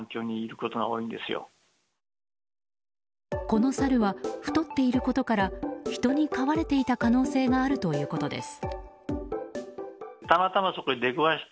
このサルは太っていることから人に飼われていた可能性があるということです。